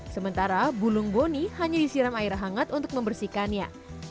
sementara bulung boni hanya disiram air hangat untuk membersihkannya